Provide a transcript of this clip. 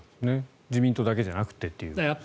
自民党だけじゃなくてということですよね。